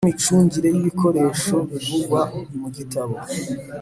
n imicungire y ibikoresho bivugwa mugitabo